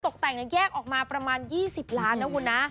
ตกแต่งแยกออกมาประมาณ๒๐ล้านนะคุณนะ